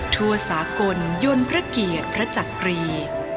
ทั่วสากลยนต์พระเกียรติพระจักรี